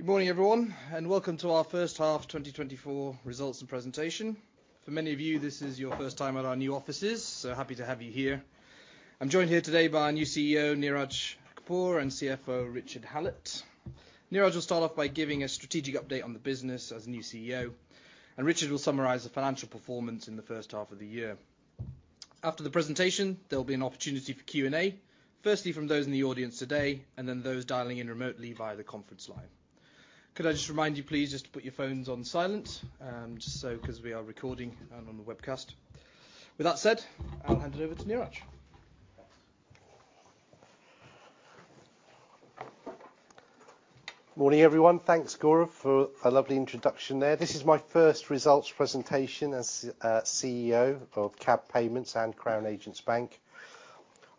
Good morning, everyone, and Welcome to our First Half 2024 results and presentation. For many of you, this is your first time at our new offices, so happy to have you here. I'm joined here today by our new CEO, Neeraj Kapur, and CFO, Richard Hallett. Neeraj will start off by giving a strategic update on the business as new CEO, and Richard will summarize the financial performance in the first half of the year. After the presentation, there'll be an opportunity for Q&A, firstly, from those in the audience today, and then those dialing in remotely via the conference line. Could I just remind you, please, just to put your phones on silent, just so, 'cause we are recording and on the webcast. With that said, I'll hand it over to Neeraj. Morning, everyone. Thanks, Gaurav, for a lovely introduction there. This is my first results presentation as CEO of CAB Payments and Crown Agents Bank.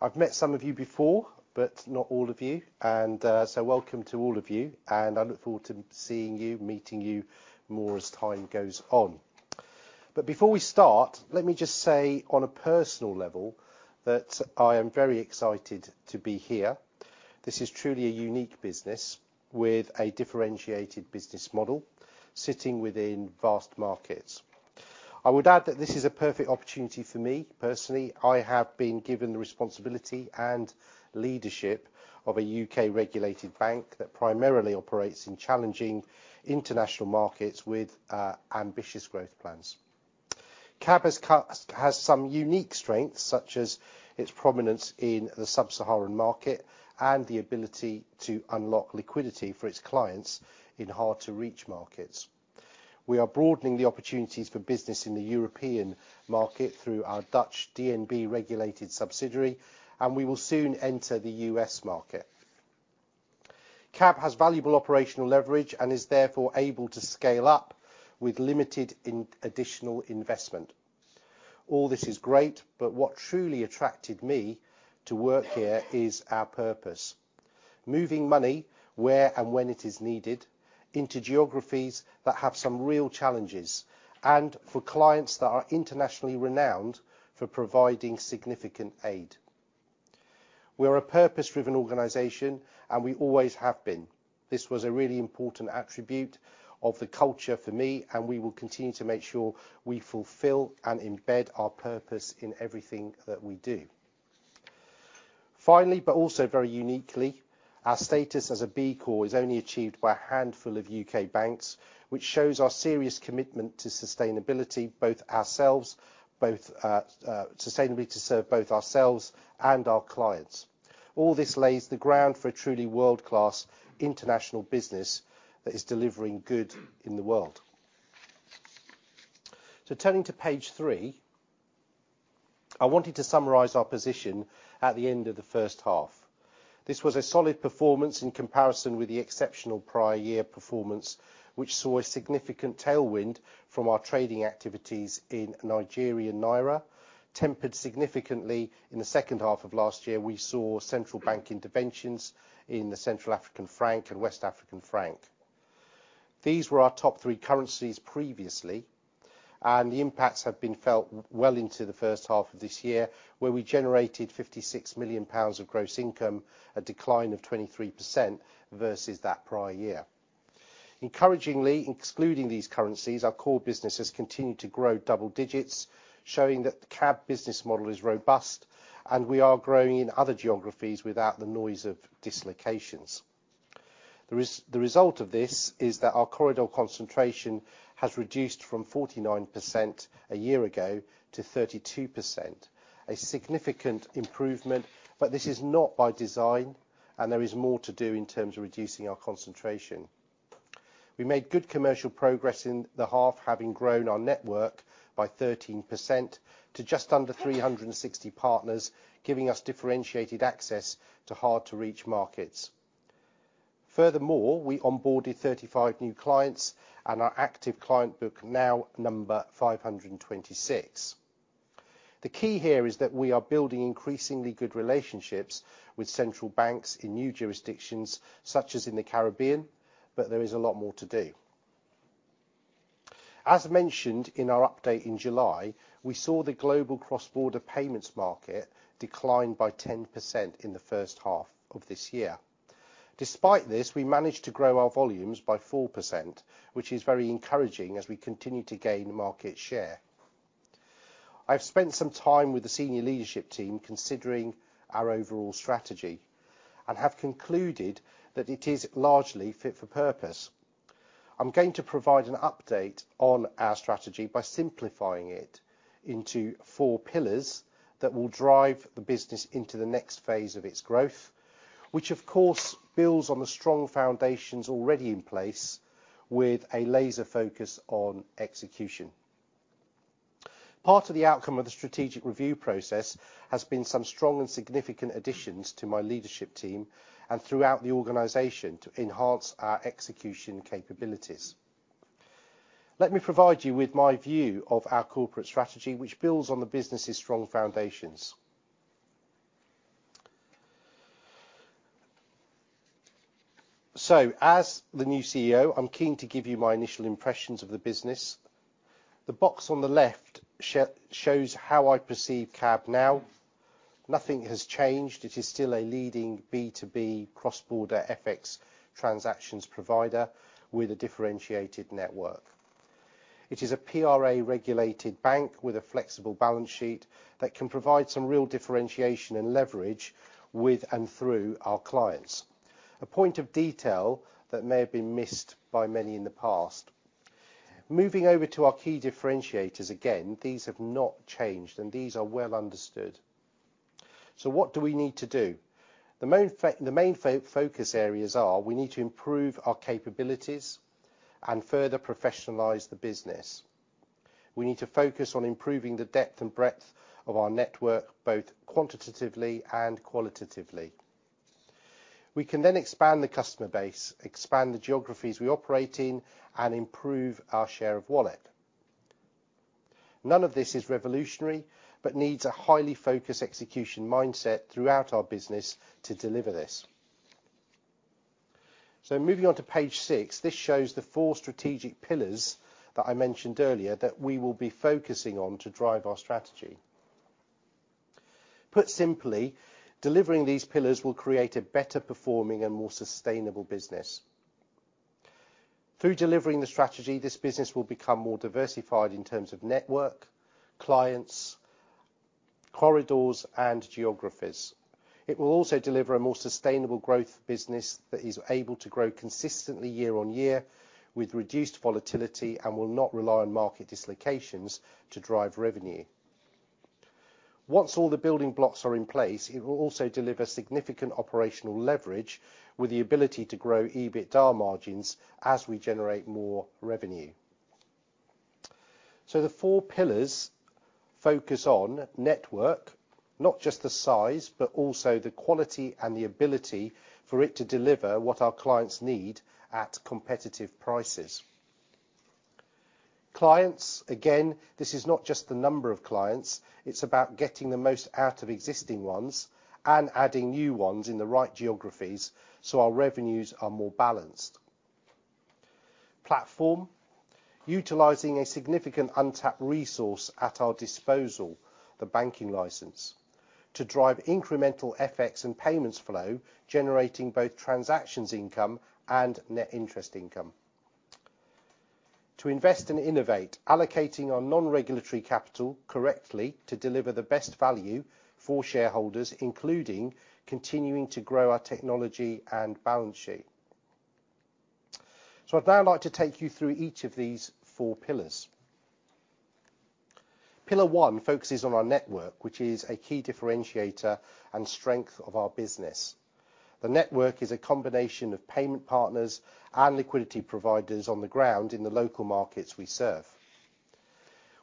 I've met some of you before, but not all of you, and so welcome to all of you, and I look forward to seeing you, meeting you more as time goes on. But before we start, let me just say, on a personal level, that I am very excited to be here. This is truly a unique business with a differentiated business model, sitting within vast markets. I would add that this is a perfect opportunity for me. Personally, I have been given the responsibility and leadership of a U.K.-regulated bank that primarily operates in challenging international markets with ambitious growth plans. CAB has some unique strengths, such as its prominence in the sub-Saharan market and the ability to unlock liquidity for its clients in hard-to-reach markets. We are broadening the opportunities for business in the European market through our Dutch DNB-regulated subsidiary, and we will soon enter the U.S. market. CAB has valuable operational leverage and is therefore able to scale up with limited additional investment. All this is great, but what truly attracted me to work here is our purpose: moving money where and when it is needed, into geographies that have some real challenges, and for clients that are internationally renowned for providing significant aid. We're a purpose-driven organization, and we always have been. This was a really important attribute of the culture for me, and we will continue to make sure we fulfill and embed our purpose in everything that we do. Finally, but also very uniquely, our status as a B Corp is only achieved by a handful of U.K. banks, which shows our serious commitment to sustainability, both ourselves sustainably to serve both ourselves and our clients. All this lays the ground for a truly world-class international business that is delivering good in the world. So turning to page three, I wanted to summarize our position at the end of the first half. This was a solid performance in comparison with the exceptional prior year performance, which saw a significant tailwind from our trading activities in Nigerian Naira, tempered significantly in the second half of last year. We saw central bank interventions in the Central African franc and West African franc. These were our top three currencies previously, and the impacts have been felt well into the first half of this year, where we generated 56 million pounds of gross income, a decline of 23% versus that prior year. Encouragingly, excluding these currencies, our core business has continued to grow double digits, showing that the CAB business model is robust, and we are growing in other geographies without the noise of dislocations. The result of this is that our corridor concentration has reduced from 49% a year ago to 32%, a significant improvement, but this is not by design, and there is more to do in terms of reducing our concentration. We made good commercial progress in the half, having grown our network by 13% to just under 360 partners, giving us differentiated access to hard-to-reach markets. Furthermore, we onboarded 35 new clients, and our active client book now number 526. The key here is that we are building increasingly good relationships with central banks in new jurisdictions, such as in the Caribbean, but there is a lot more to do. As mentioned in our update in July, we saw the global cross-border payments market decline by 10% in the first half of this year. Despite this, we managed to grow our volumes by 4%, which is very encouraging as we continue to gain market share. I've spent some time with the senior leadership team, considering our overall strategy, and have concluded that it is largely fit for purpose. I'm going to provide an update on our strategy by simplifying it into four pillars that will drive the business into the next phase of its growth, which, of course, builds on the strong foundations already in place with a laser focus on execution. Part of the outcome of the strategic review process has been some strong and significant additions to my leadership team and throughout the organization to enhance our execution capabilities. Let me provide you with my view of our corporate strategy, which builds on the business's strong foundations. As the new CEO, I'm keen to give you my initial impressions of the business. The box on the left shows how I perceive CAB now. Nothing has changed. It is still a leading B2B cross-border FX transactions provider with a differentiated network. It is a PRA-regulated bank with a flexible balance sheet that can provide some real differentiation and leverage with and through our clients, a point of detail that may have been missed by many in the past. Moving over to our key differentiators, again, these have not changed, and these are well understood, so what do we need to do? The main focus areas are we need to improve our capabilities and further professionalize the business. We need to focus on improving the depth and breadth of our network, both quantitatively and qualitatively. We can then expand the customer base, expand the geographies we operate in, and improve our share of wallet. None of this is revolutionary, but needs a highly focused execution mindset throughout our business to deliver this. So moving on to page six, this shows the four strategic pillars that I mentioned earlier that we will be focusing on to drive our strategy. Put simply, delivering these pillars will create a better performing and more sustainable business. Through delivering the strategy, this business will become more diversified in terms of network, clients, corridors, and geographies. It will also deliver a more sustainable growth business that is able to grow consistently year-on-year with reduced volatility and will not rely on market dislocations to drive revenue. Once all the building blocks are in place, it will also deliver significant operational leverage with the ability to grow EBITDA margins as we generate more revenue. So the four pillars focus on network, not just the size, but also the quality and the ability for it to deliver what our clients need at competitive prices. Clients, again, this is not just the number of clients, it's about getting the most out of existing ones and adding new ones in the right geographies, so our revenues are more balanced. Platform, utilizing a significant untapped resource at our disposal, the banking license, to drive incremental FX and payments flow, generating both transactions income and net interest income. To invest and innovate, allocating our non-regulatory capital correctly to deliver the best value for shareholders, including continuing to grow our technology and balance sheet. So I'd now like to take you through each of these four pillars. Pillar one focuses on our network, which is a key differentiator and strength of our business. The network is a combination of payment partners and liquidity providers on the ground in the local markets we serve.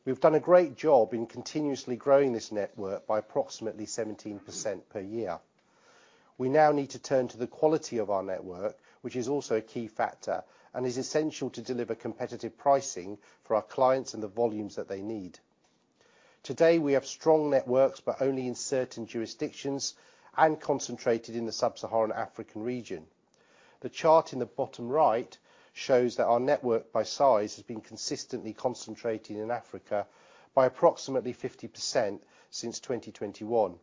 We've done a great job in continuously growing this network by approximately 17% per year. We now need to turn to the quality of our network, which is also a key factor and is essential to deliver competitive pricing for our clients and the volumes that they need. Today, we have strong networks, but only in certain jurisdictions and concentrated in the sub-Saharan African region. The chart in the bottom right shows that our network by size, has been consistently concentrated in Africa by approximately 50% since 2021,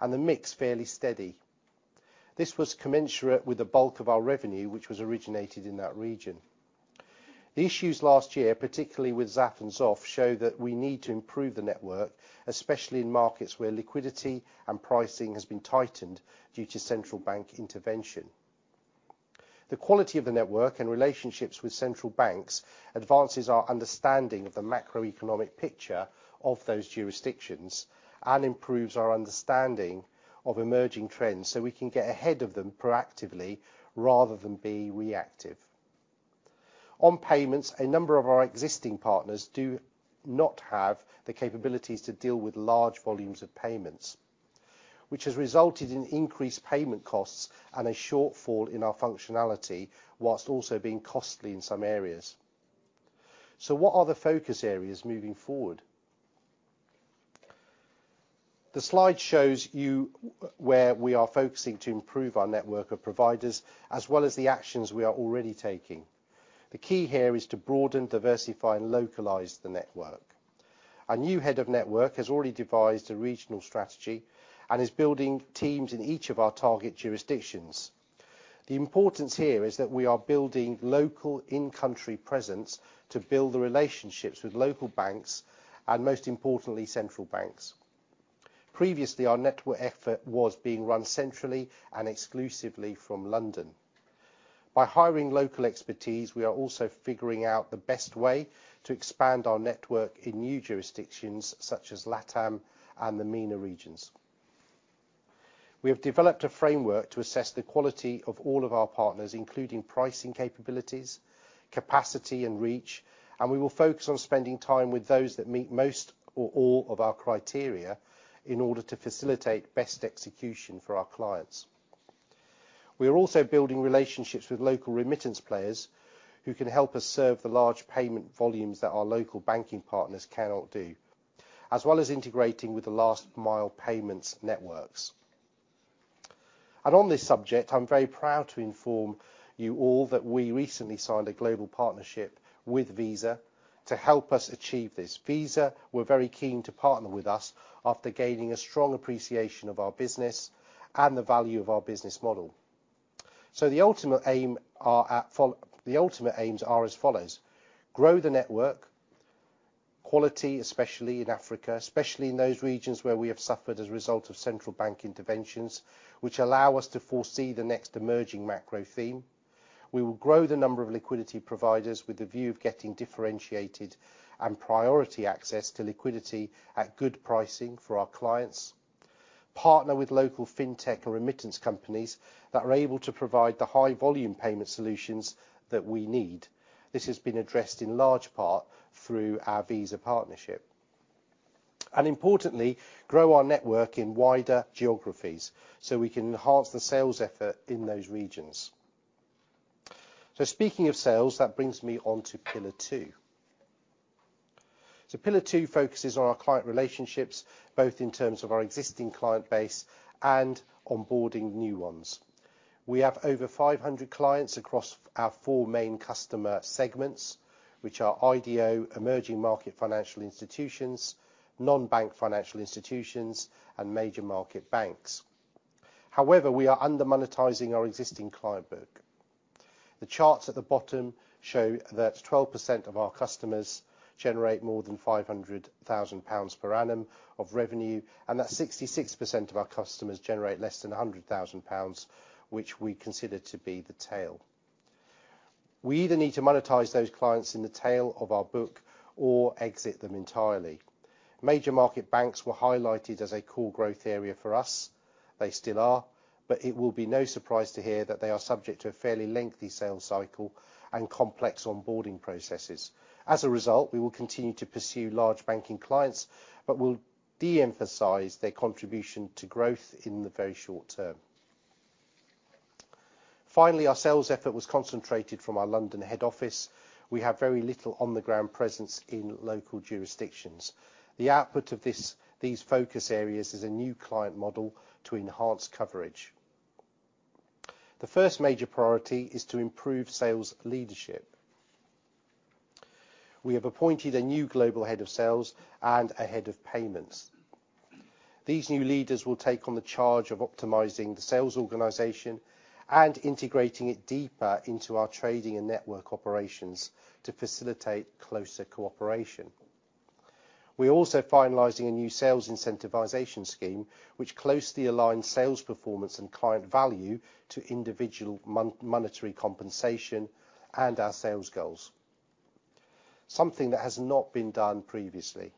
and the mix fairly steady. This was commensurate with the bulk of our revenue, which was originated in that region. The issues last year, particularly with XAF and XOF, show that we need to improve the network, especially in markets where liquidity and pricing has been tightened due to central bank intervention. The quality of the network and relationships with central banks advances our understanding of the macroeconomic picture of those jurisdictions and improves our understanding of emerging trends, so we can get ahead of them proactively rather than be reactive. On payments, a number of our existing partners do not have the capabilities to deal with large volumes of payments, which has resulted in increased payment costs and a shortfall in our functionality, while also being costly in some areas. So what are the focus areas moving forward? The slide shows you where we are focusing to improve our network of providers, as well as the actions we are already taking. The key here is to broaden, diversify, and localize the network. Our new head of network has already devised a regional strategy and is building teams in each of our target jurisdictions. The importance here is that we are building local in-country presence to build the relationships with local banks and, most importantly, central banks. Previously, our network effort was being run centrally and exclusively from London. By hiring local expertise, we are also figuring out the best way to expand our network in new jurisdictions, such as LATAM and the MENA regions. We have developed a framework to assess the quality of all of our partners, including pricing capabilities, capacity, and reach, and we will focus on spending time with those that meet most or all of our criteria in order to facilitate best execution for our clients. We are also building relationships with local remittance players, who can help us serve the large payment volumes that our local banking partners cannot do, as well as integrating with the last mile payments networks. And on this subject, I'm very proud to inform you all that we recently signed a global partnership with Visa to help us achieve this. Visa were very keen to partner with us after gaining a strong appreciation of our business and the value of our business model. So the ultimate aims are as follows: grow the network, quality, especially in Africa, especially in those regions where we have suffered as a result of central bank interventions, which allow us to foresee the next emerging macro theme. We will grow the number of liquidity providers with a view of getting differentiated and priority access to liquidity at good pricing for our clients. Partner with local fintech or remittance companies that are able to provide the high volume payment solutions that we need. This has been addressed in large part through our Visa partnership. And importantly, grow our network in wider geographies so we can enhance the sales effort in those regions. So speaking of sales, that brings me on to pillar two. So pillar two focuses on our client relationships, both in terms of our existing client base and onboarding new ones. We have over 500 clients across our four main customer segments, which are IDO, emerging market financial institutions, non-bank financial institutions, and major market banks. However, we are under-monetizing our existing client book. The charts at the bottom show that 12% of our customers generate more than 500,000 pounds per annum of revenue, and that 66% of our customers generate less than 100,000 pounds, which we consider to be the tail. We either need to monetize those clients in the tail of our book or exit them entirely. Major market banks were highlighted as a core growth area for us. They still are, but it will be no surprise to hear that they are subject to a fairly lengthy sales cycle and complex onboarding processes. As a result, we will continue to pursue large banking clients, but will de-emphasize their contribution to growth in the very short term. Finally, our sales effort was concentrated from our London head office. We have very little on-the-ground presence in local jurisdictions. The output of these focus areas is a new client model to enhance coverage. The first major priority is to improve sales leadership. We have appointed a new global head of sales and a head of payments. These new leaders will take on the charge of optimizing the sales organization and integrating it deeper into our trading and network operations to facilitate closer cooperation. We're also finalizing a new sales incentivization scheme, which closely aligns sales performance and client value to individual monetary compensation and our sales goals, something that has not been done previously.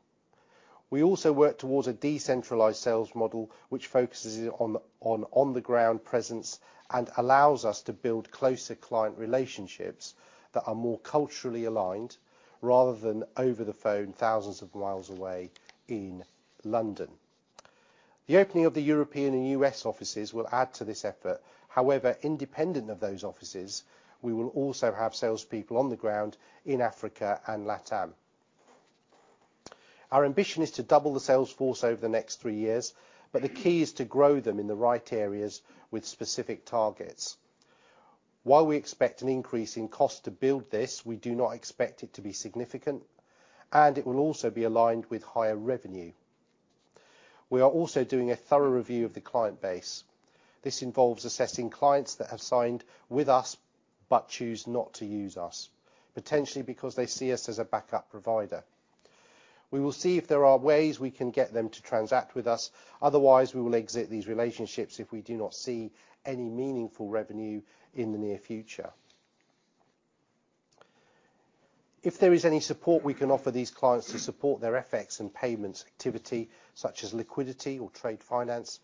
We also work towards a decentralized sales model, which focuses on on-the-ground presence and allows us to build closer client relationships that are more culturally aligned rather than over the phone, thousands of miles away in London. The opening of the European and U.S. offices will add to this effort. However, independent of those offices, we will also have salespeople on the ground in Africa and LATAM. Our ambition is to double the sales force over the next three years, but the key is to grow them in the right areas with specific targets. While we expect an increase in cost to build this, we do not expect it to be significant, and it will also be aligned with higher revenue. We are also doing a thorough review of the client base. This involves assessing clients that have signed with us, but choose not to use us, potentially because they see us as a backup provider. We will see if there are ways we can get them to transact with us. Otherwise, we will exit these relationships if we do not see any meaningful revenue in the near future. If there is any support we can offer these clients to support their FX and payments activity, such as liquidity or trade finance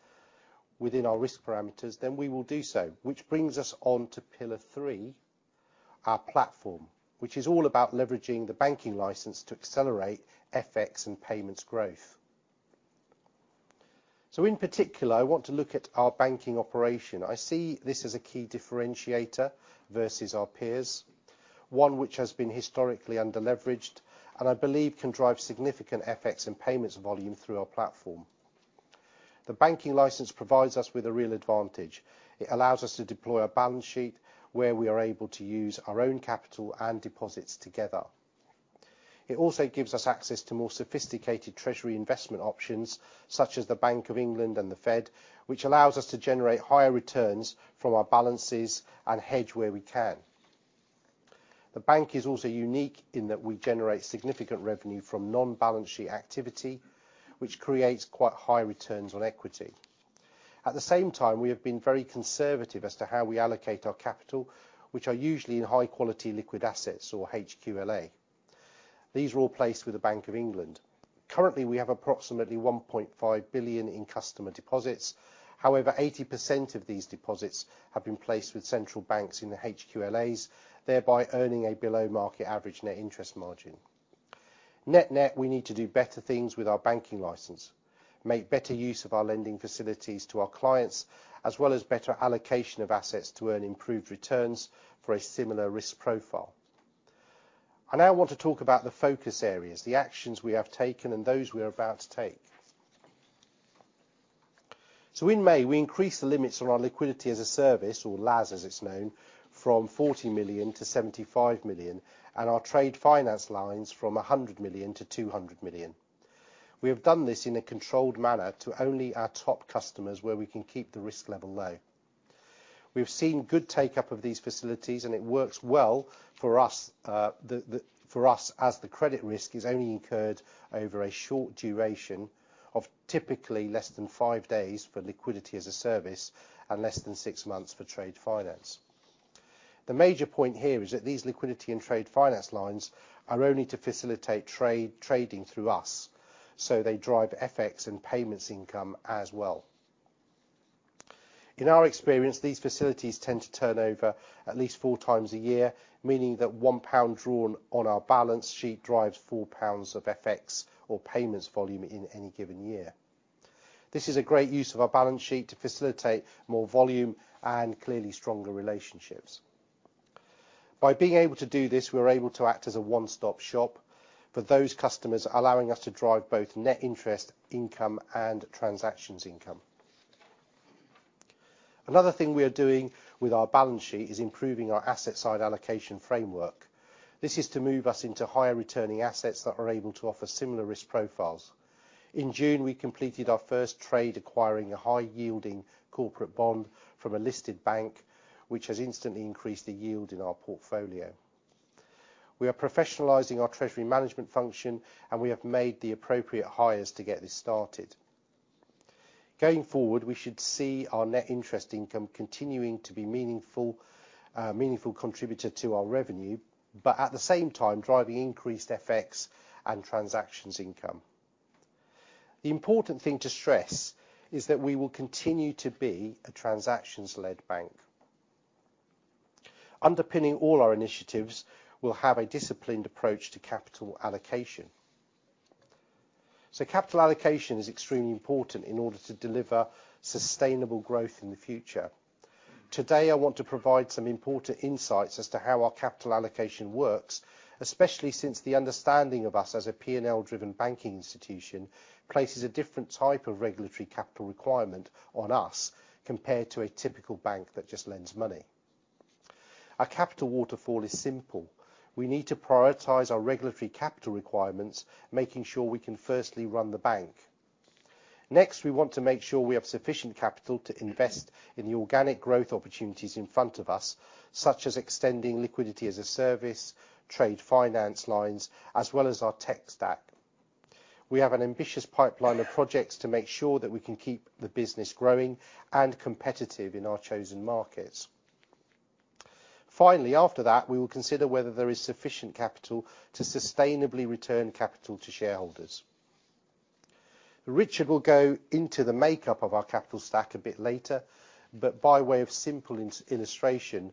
within our risk parameters, then we will do so, which brings us on to pillar three, our platform, which is all about leveraging the banking license to accelerate FX and payments growth. In particular, I want to look at our banking operation. I see this as a key differentiator versus our peers, one which has been historically underleveraged, and I believe can drive significant FX and payments volume through our platform. The banking license provides us with a real advantage. It allows us to deploy our balance sheet where we are able to use our own capital and deposits together. It also gives us access to more sophisticated treasury investment options, such as the Bank of England and the Fed, which allows us to generate higher returns from our balances and hedge where we can. The bank is also unique in that we generate significant revenue from non-balance sheet activity, which creates quite high returns on equity. At the same time, we have been very conservative as to how we allocate our capital, which are usually in high quality liquid assets or HQLA. These are all placed with the Bank of England. Currently, we have approximately 1.5 billion in customer deposits. However, 80% of these deposits have been placed with central banks in the HQLAs, thereby earning a below-market average net interest margin. Net-net, we need to do better things with our banking license, make better use of our lending facilities to our clients, as well as better allocation of assets to earn improved returns for a similar risk profile. I now want to talk about the focus areas, the actions we have taken, and those we are about to take. So in May, we increased the limits on our liquidity-as-a-service, or LaaS, as it's known, from 40 million-75 million, and our trade finance lines from 100 million-200 million. We have done this in a controlled manner to only our top customers, where we can keep the risk level low. We've seen good take-up of these facilities, and it works well for us, as the credit risk is only incurred over a short duration of typically less than five days for liquidity-as-a-service and less than six months for trade finance. The major point here is that these liquidity and trade finance lines are only to facilitate trade, trading through us, so they drive FX and payments income as well. In our experience, these facilities tend to turn over at least four times a year, meaning that 1 pound drawn on our balance sheet drives 4 pounds of FX or payments volume in any given year. This is a great use of our balance sheet to facilitate more volume and clearly stronger relationships. By being able to do this, we're able to act as a one-stop shop for those customers, allowing us to drive both net interest income, and transactions income. Another thing we are doing with our balance sheet is improving our asset side allocation framework. This is to move us into higher-returning assets that are able to offer similar risk profiles. In June, we completed our first trade, acquiring a high-yielding corporate bond from a listed bank, which has instantly increased the yield in our portfolio. We are professionalizing our treasury management function, and we have made the appropriate hires to get this started. Going forward, we should see our net interest income continuing to be meaningful, meaningful contributor to our revenue, but at the same time, driving increased FX and transactions income. The important thing to stress is that we will continue to be a transactions-led bank. Underpinning all our initiatives, we'll have a disciplined approach to capital allocation, so capital allocation is extremely important in order to deliver sustainable growth in the future. Today, I want to provide some important insights as to how our capital allocation works, especially since the understanding of us as a P&L-driven banking institution places a different type of regulatory capital requirement on us, compared to a typical bank that just lends money. Our capital waterfall is simple. We need to prioritize our regulatory capital requirements, making sure we can firstly run the bank. Next, we want to make sure we have sufficient capital to invest in the organic growth opportunities in front of us, such as extending liquidity-as-a-service, trade finance lines, as well as our tech stack. We have an ambitious pipeline of projects to make sure that we can keep the business growing and competitive in our chosen markets. Finally, after that, we will consider whether there is sufficient capital to sustainably return capital to shareholders. Richard will go into the makeup of our capital stack a bit later, but by way of simple illustration,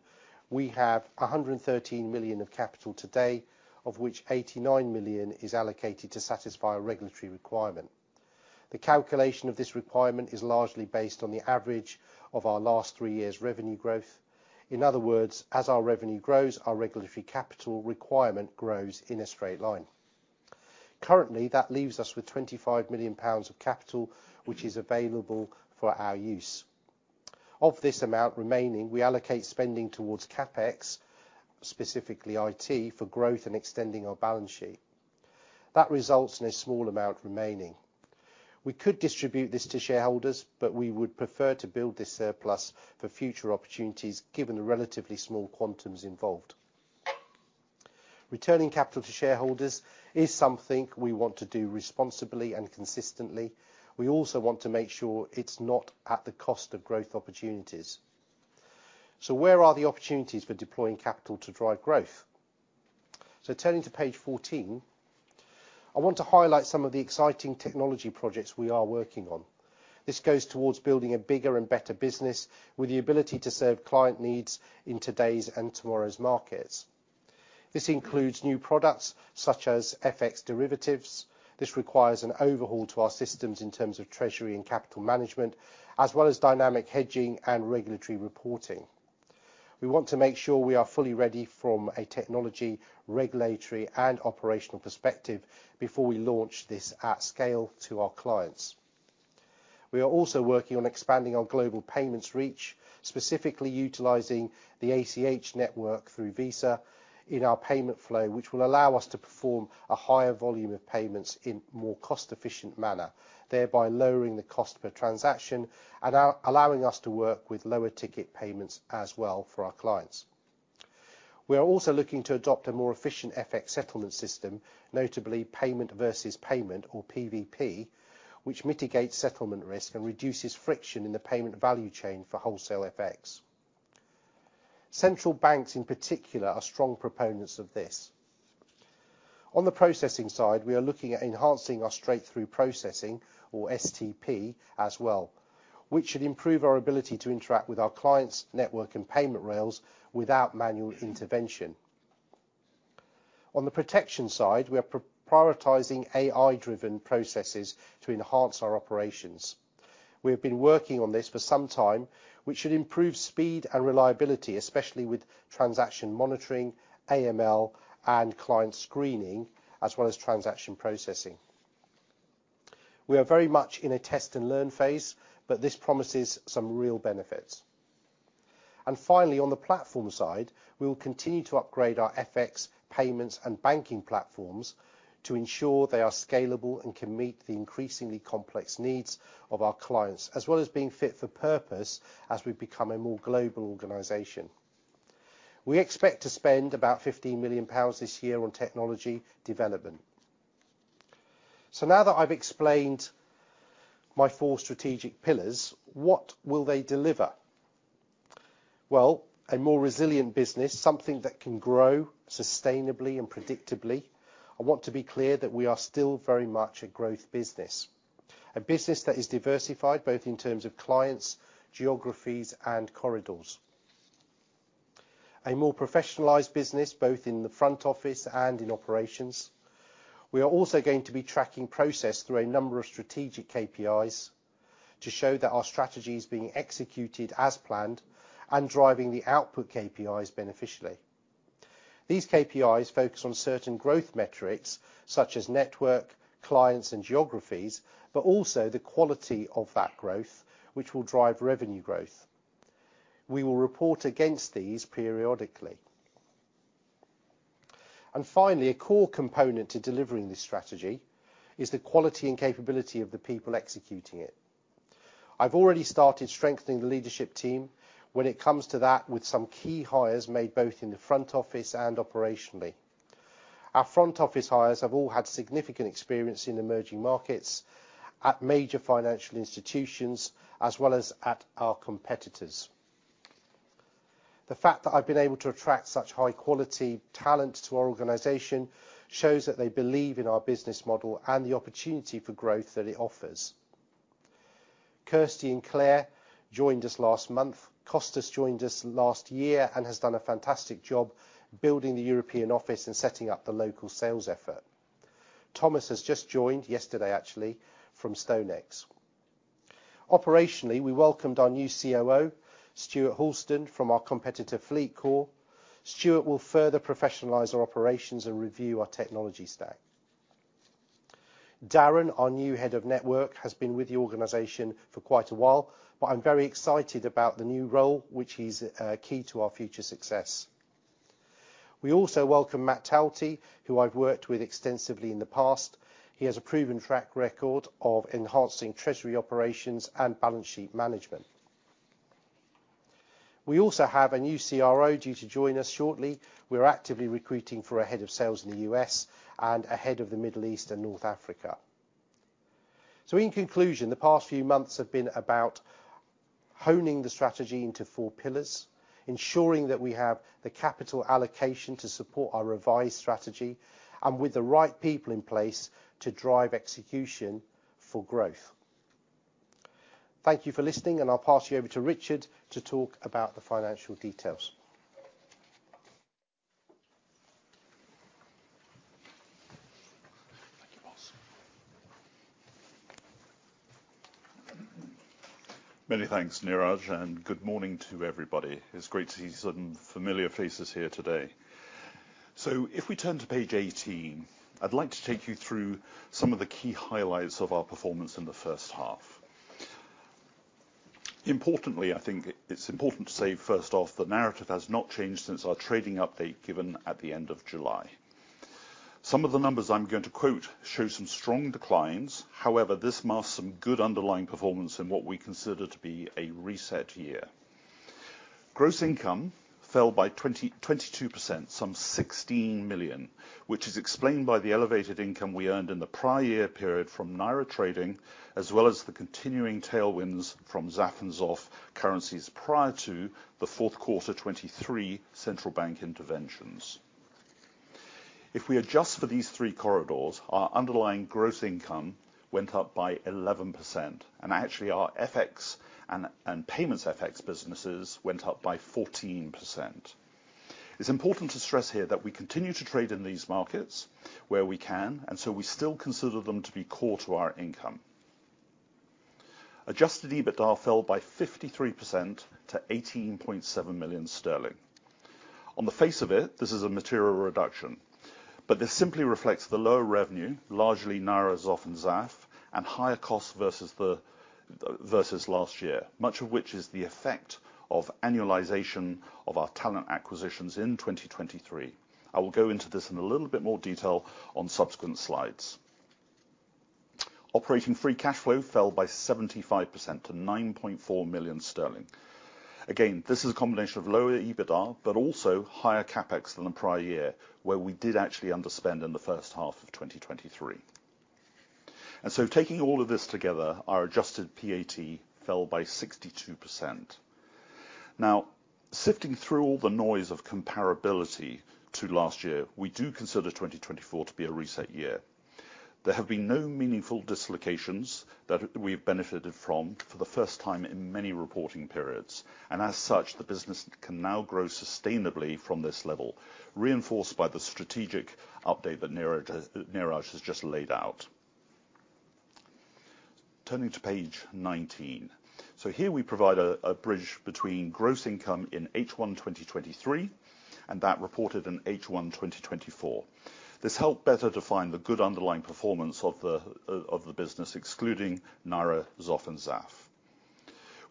we have 113 million of capital today, of which 89 million is allocated to satisfy a regulatory requirement. The calculation of this requirement is largely based on the average of our last three years' revenue growth. In other words, as our revenue grows, our regulatory capital requirement grows in a straight line. Currently, that leaves us with 25 million pounds of capital, which is available for our use. Of this amount remaining, we allocate spending towards CapEx, specifically IT, for growth and extending our balance sheet. That results in a small amount remaining. We could distribute this to shareholders, but we would prefer to build this surplus for future opportunities, given the relatively small quantums involved. Returning capital to shareholders is something we want to do responsibly and consistently. We also want to make sure it's not at the cost of growth opportunities. So where are the opportunities for deploying capital to drive growth? So turning to page 14, I want to highlight some of the exciting technology projects we are working on. This goes towards building a bigger and better business, with the ability to serve client needs in today's and tomorrow's markets. This includes new products such as FX derivatives. This requires an overhaul to our systems in terms of treasury and capital management, as well as dynamic hedging and regulatory reporting. We want to make sure we are fully ready from a technology, regulatory, and operational perspective before we launch this at scale to our clients. We are also working on expanding our global payments reach, specifically utilizing the ACH network through Visa in our payment flow, which will allow us to perform a higher volume of payments in more cost-efficient manner, thereby lowering the cost per transaction and allowing us to work with lower ticket payments as well for our clients. We are also looking to adopt a more efficient FX settlement system, notably payment versus payment, or PVP, which mitigates settlement risk and reduces friction in the payment value chain for wholesale FX. Central banks, in particular, are strong proponents of this. On the processing side, we are looking at enhancing our straight-through processing, or STP, as well, which should improve our ability to interact with our clients' network and payment rails without manual intervention. On the protection side, we are prioritizing AI-driven processes to enhance our operations. We've been working on this for some time, which should improve speed and reliability, especially with transaction monitoring, AML, and client screening, as well as transaction processing. We are very much in a test and learn phase, but this promises some real benefits. And finally, on the platform side, we will continue to upgrade our FX payments and banking platforms to ensure they are scalable and can meet the increasingly complex needs of our clients, as well as being fit for purpose as we become a more global organization. We expect to spend about 15 million pounds this year on technology development. So now that I've explained my four strategic pillars, what will they deliver? Well, a more resilient business, something that can grow sustainably and predictably. I want to be clear that we are still very much a growth business. A business that is diversified, both in terms of clients, geographies, and corridors. A more professionalized business, both in the front office and in operations. We are also going to be tracking process through a number of strategic KPIs to show that our strategy is being executed as planned and driving the output KPIs beneficially. These KPIs focus on certain growth metrics, such as network, clients, and geographies, but also the quality of that growth, which will drive revenue growth. We will report against these periodically and finally, a core component to delivering this strategy is the quality and capability of the people executing it. I've already started strengthening the leadership team when it comes to that with some key hires made both in the front office and operationally. Our front office hires have all had significant experience in emerging markets at major financial institutions, as well as at our competitors. The fact that I've been able to attract such high-quality talent to our organization shows that they believe in our business model and the opportunity for growth that it offers. Kirsty and Claire joined us last month. Kostas joined us last year and has done a fantastic job building the European office and setting up the local sales effort. Thomas has just joined, yesterday, actually, from StoneX. Operationally, we welcomed our new COO, Stuart Houlston, from our competitor, Fleetcor. Stuart will further professionalize our operations and review our technology stack. Darren, our new Head of Network, has been with the organization for quite a while, but I'm very excited about the new role, which is key to our future success. We also welcome Matt Talty, who I've worked with extensively in the past. He has a proven track record of enhancing treasury operations and balance sheet management. We also have a new CRO due to join us shortly. We're actively recruiting for a head of sales in the U.S. and a head of the Middle East and North Africa. So in conclusion, the past few months have been about honing the strategy into four pillars, ensuring that we have the capital allocation to support our revised strategy, and with the right people in place to drive execution for growth. Thank you for listening, and I'll pass you over to Richard to talk about the financial details. Thank you, boss. Many thanks, Neeraj, and good morning to everybody. It's great to see some familiar faces here today. So if we turn to page 18, I'd like to take you through some of the key highlights of our performance in the first half. Importantly, I think it's important to say, first off, the narrative has not changed since our trading update, given at the end of July. Some of the numbers I'm going to quote show some strong declines. However, this masks some good underlying performance in what we consider to be a reset year. Gross income fell by 22%, some 16 million, which is explained by the elevated income we earned in the prior year period from Naira trading, as well as the continuing tailwinds from XAF and XOF currencies prior to the fourth quarter 2023 Central Bank interventions. If we adjust for these three corridors, our underlying gross income went up by 11%, and actually, our FX and payments FX businesses went up by 14%. It's important to stress here that we continue to trade in these markets where we can, and so we still consider them to be core to our income. Adjusted EBITDA fell by 53% to 18.7 million sterling. On the face of it, this is a material reduction, but this simply reflects the lower revenue, largely Naira, XOF, and XAF, and higher costs versus last year, much of which is the effect of annualization of our talent acquisitions in 2023. I will go into this in a little bit more detail on subsequent slides. Operating free cash flow fell by 75% to 9.4 million sterling. Again, this is a combination of lower EBITDA, but also higher CapEx than the prior year, where we did actually underspend in the first half of 2023. And so taking all of this together, our adjusted PAT fell by 62%. Now, sifting through all the noise of comparability to last year, we do consider twenty twenty-four to be a reset year. There have been no meaningful dislocations that we've benefited from for the first time in many reporting periods, and as such, the business can now grow sustainably from this level, reinforced by the strategic update that Neeraj has just laid out.... Turning to page 19. So here we provide a bridge between gross income in H1, 2023, and that reported in H1, 2024. This helped better define the good underlying performance of the business, excluding Naira, XOF, and XAF.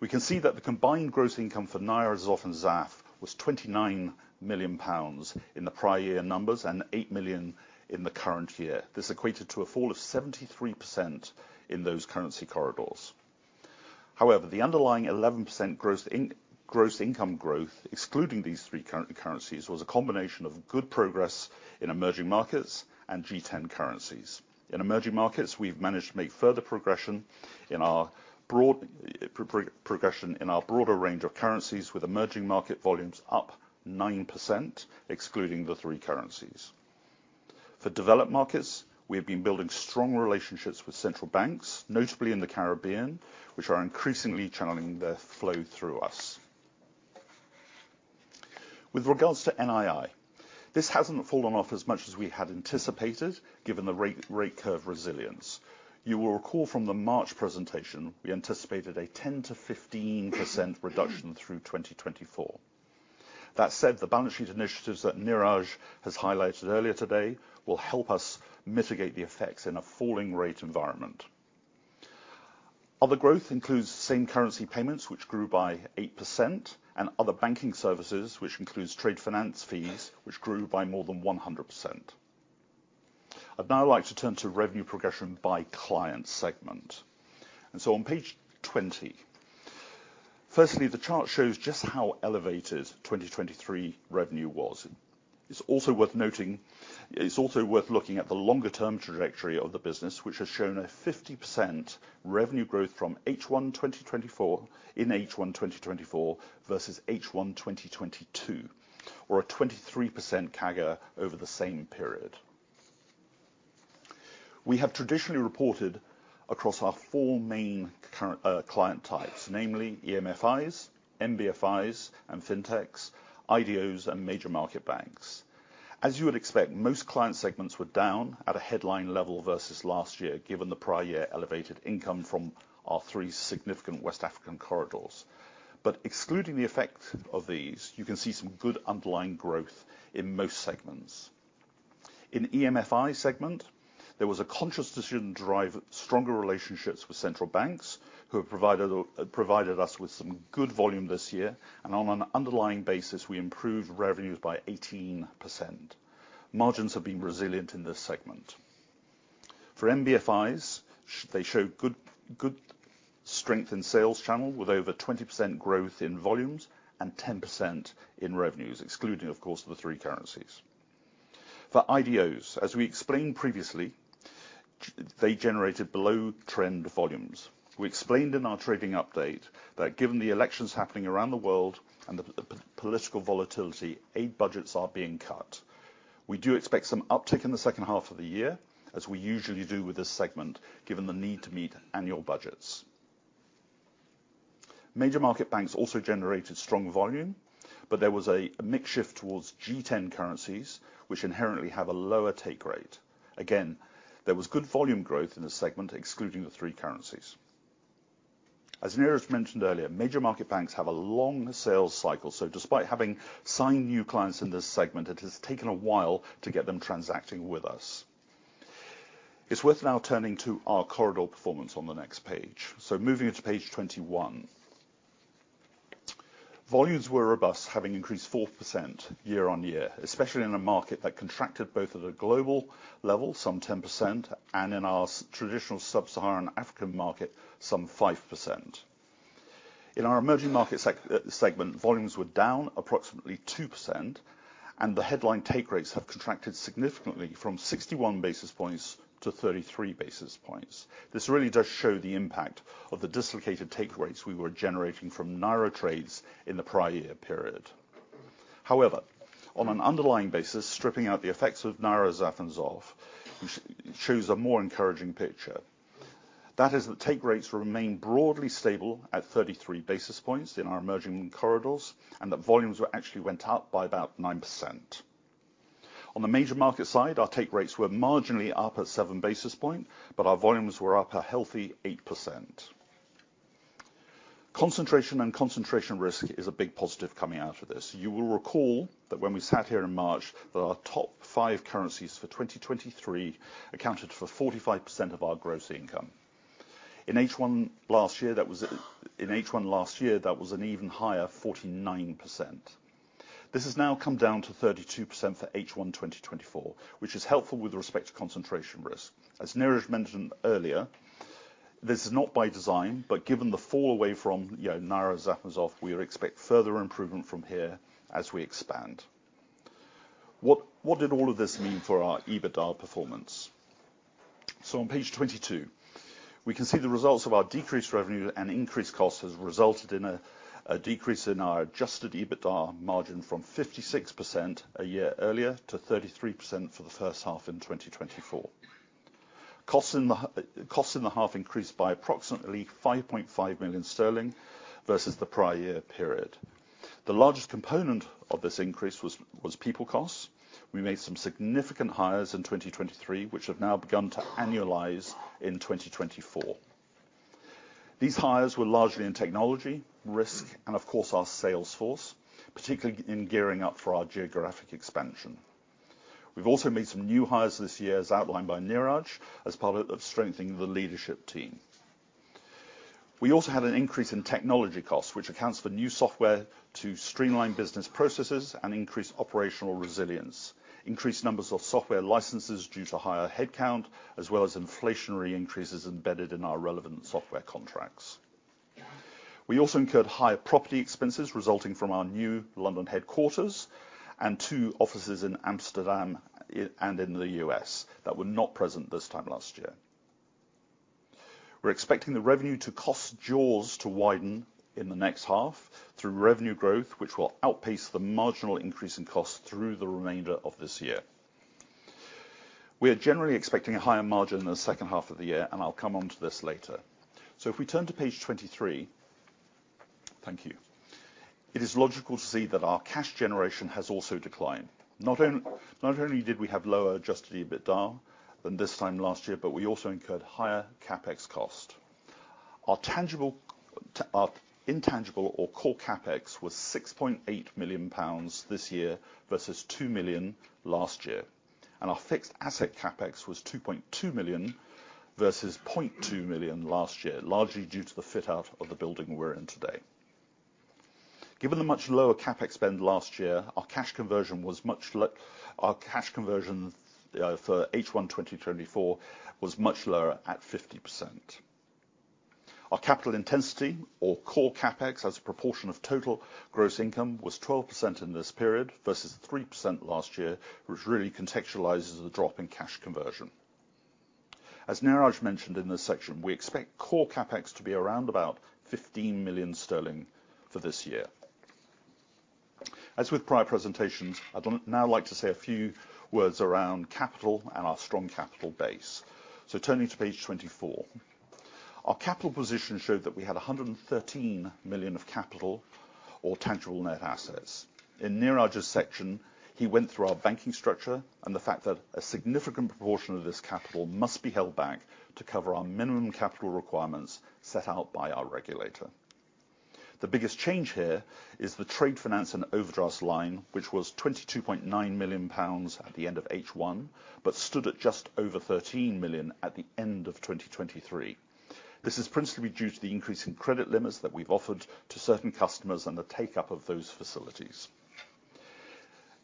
We can see that the combined gross income for Naira, XOF and XAF was 29 million pounds in the prior year numbers, and 8 million in the current year. This equated to a fall of 73% in those currency corridors. However, the underlying 11% gross income growth, excluding these three currencies, was a combination of good progress in emerging markets and G10 currencies. In emerging markets, we've managed to make further progression in our broader range of currencies, with emerging market volumes up 9%, excluding the three currencies. For developed markets, we have been building strong relationships with central banks, notably in the Caribbean, which are increasingly channeling their flow through us. With regards to NII, this hasn't fallen off as much as we had anticipated, given the rate curve resilience. You will recall from the March presentation, we anticipated a 10%-15% reduction through 2024. That said, the balance sheet initiatives that Neeraj has highlighted earlier today will help us mitigate the effects in a falling rate environment. Other growth includes same currency payments, which grew by 8%, and other banking services, which includes trade finance fees, which grew by more than 100%. I'd now like to turn to revenue progression by client segment, and so on page 20, firstly, the chart shows just how elevated 2023 revenue was. It's also worth noting... It's also worth looking at the longer term trajectory of the business, which has shown a 50% revenue growth from H1, 2024, in H1, 2024, versus H1, 2022, or a 23% CAGR over the same period. We have traditionally reported across our four main client types, namely EMFIs, NBFIs, and Fintechs, IDOs, and major market banks. As you would expect, most client segments were down at a headline level versus last year, given the prior year elevated income from our three significant West African corridors. But excluding the effect of these, you can see some good underlying growth in most segments. In EMFI segment, there was a conscious decision to drive stronger relationships with central banks, who have provided us with some good volume this year, and on an underlying basis, we improved revenues by 18%. Margins have been resilient in this segment. For NBFIs, they show good, good strength in sales channel with over 20% growth in volumes and 10% in revenues, excluding, of course, the three currencies. For IDOs, as we explained previously, they generated below trend volumes. We explained in our trading update that given the elections happening around the world and the political volatility, aid budgets are being cut. We do expect some uptick in the second half of the year, as we usually do with this segment, given the need to meet annual budgets. Major market banks also generated strong volume, but there was a mix shift towards G10 currencies, which inherently have a lower take rate. Again, there was good volume growth in this segment, excluding the three currencies. As Neeraj mentioned earlier, major market banks have a long sales cycle, so despite having signed new clients in this segment, it has taken a while to get them transacting with us. It's worth now turning to our corridor performance on the next page, so moving into page 21. Volumes were robust, having increased 4% year-on-year, especially in a market that contracted both at a global level, some 10%, and in our traditional sub-Saharan African market, some 5%. In our emerging market segment, volumes were down approximately 2%, and the headline take rates have contracted significantly from 61 basis points-33 basis points. This really does show the impact of the dislocated take rates we were generating from Naira trades in the prior year period. However, on an underlying basis, stripping out the effects of Naira, XAF, and XOF, shows a more encouraging picture. That is, the take rates remain broadly stable at 33 basis points in our emerging corridors, and the volumes were actually went up by about 9%. On the major market side, our take rates were marginally up at seven basis points, but our volumes were up a healthy 8%. Concentration and concentration risk is a big positive coming out of this. You will recall that when we sat here in March, that our top five currencies for 2023 accounted for 45% of our gross income. In H1 last year, that was an even higher 49%. This has now come down to 32% for H1 2024, which is helpful with respect to concentration risk. As Neeraj mentioned earlier, this is not by design, but given the fall away from, you know, Naira ,XAF and XOF, we expect further improvement from here as we expand. What did all of this mean for our EBITDA performance? So on page 22, we can see the results of our decreased revenue and increased costs has resulted in a decrease in our Adjusted EBITDA margin from 56% a year earlier to 33% for the first half in 2024. Costs in the half increased by approximately 5.5 million sterling versus the prior year period. The largest component of this increase was people costs. We made some significant hires in 2023, which have now begun to annualize in 2024. These hires were largely in technology, risk, and of course, our sales force, particularly in gearing up for our geographic expansion. We've also made some new hires this year, as outlined by Neeraj, as part of strengthening the leadership team. We also had an increase in technology costs, which accounts for new software to streamline business processes and increase operational resilience, increased numbers of software licenses due to higher headcount, as well as inflationary increases embedded in our relevant software contracts. We also incurred higher property expenses resulting from our new London headquarters and two offices in Amsterdam, and in the U.S. that were not present this time last year. We're expecting the revenue to cost jaws to widen in the next half through revenue growth, which will outpace the marginal increase in costs through the remainder of this year. We are generally expecting a higher margin in the second half of the year, and I'll come onto this later. So if we turn to page 23, thank you. It is logical to see that our cash generation has also declined. Not only did we have lower Adjusted EBITDA than this time last year, but we also incurred higher CapEx cost. Our intangible or core CapEx was 6.8 million pounds this year versus 2 million last year, and our fixed asset CapEx was 2.2 million versus 0.2 million last year, largely due to the fit-out of the building we're in today. Given the much lower CapEx spend last year, our cash conversion for H1 2024 was much lower at 50%. Our capital intensity or core CapEx, as a proportion of total gross income, was 12% in this period versus 3% last year, which really contextualizes the drop in cash conversion. As Neeraj mentioned in this section, we expect core CapEx to be around about 15 million sterling for this year. As with prior presentations, I'd now like to say a few words around capital and our strong capital base. So turning to page 24. Our capital position showed that we had 113 million of capital or tangible net assets. In Neeraj's section, he went through our banking structure and the fact that a significant proportion of this capital must be held back to cover our minimum capital requirements set out by our regulator. The biggest change here is the trade finance and overdraft line, which GBP was 22.9 million at the end of H1, but stood at just over 13 million at the end of 2023. This is principally due to the increase in credit limits that we've offered to certain customers and the take-up of those facilities.